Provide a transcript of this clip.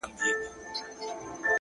پرمختګ د نن له پرېکړو پیلېږي،